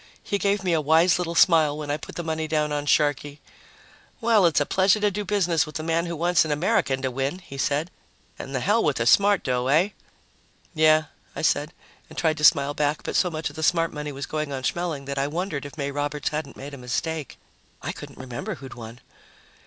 He gave me a wise little smile when I put the money down on Sharkey. "Well, it's a pleasure to do business with a man who wants an American to win," he said, "and the hell with the smart dough, eh?" "Yeah," I said, and tried to smile back, but so much of the smart money was going on Schmeling that I wondered if May Roberts hadn't made a mistake. I couldn't remember who had won.